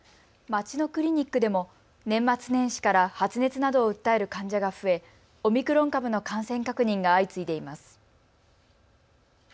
街のクリニックでも年末年始から発熱などを訴える患者が増えオミクロン株の感染確認が相次いでいます。